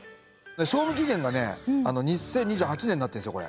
賞味期限がね２０２８年になってんですよこれ。